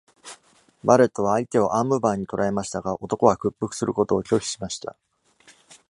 バレットは相手をアームバーに捕らえましたが、男は屈服することを拒否しました。